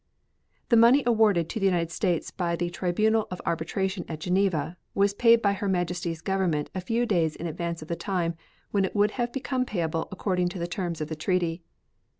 The money awarded to the United States by the tribunal of arbitration at Geneva was paid by Her Majesty's Government a few days in advance of the time when it would have become payable according to the terms of the treaty.